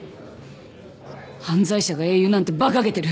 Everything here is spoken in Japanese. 犯罪者が英雄なんてバカげてる。